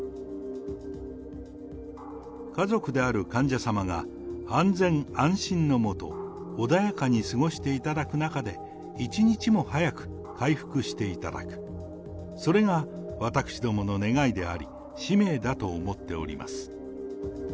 家族である患者様が安全・安心の下、穏やかに過ごしていただく中で、一日も早く回復していただく、それが私どもの願いであり、使命だと思っております。